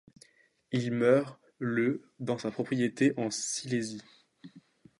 Il meurt le dans sa propriété en Silésie.